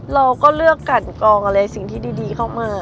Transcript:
เราก็เลือกกันกองอะไรสิ่งที่ดีเข้ามา